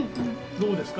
どうですか？